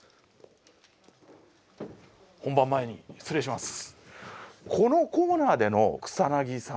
本番前に失礼します。